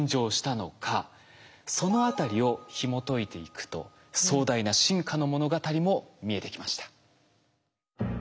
そのあたりをひもといていくと壮大な進化の物語も見えてきました。